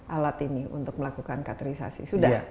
alat ini untuk melakukan cateterisasi sudah